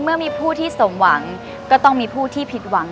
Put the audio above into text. เมื่อมีผู้ที่สมหวังก็ต้องมีผู้ที่ผิดหวัง